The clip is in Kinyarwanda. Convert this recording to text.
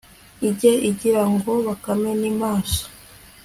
ijye igira ngo bakame ni maso